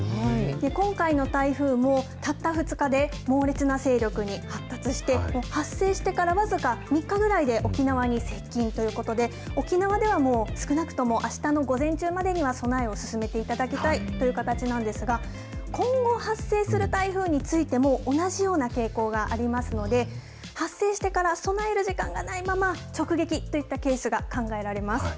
今回の台風も、たった２日で、猛烈な勢力に発達して、発生してから僅か３日ぐらいで沖縄に接近ということで、沖縄ではもう少なくとも、あしたの午前中までには、備えを進めていただきたいという形なんですが、今後発生する台風についても、同じような傾向がありますので、発生してから備える時間がないまま、直撃といったケースが考えられます。